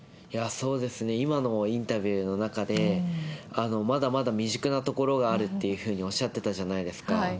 今のインタビューの中で、まだまだ未熟なところがあるっていうふうにおっしゃってたじゃないですか。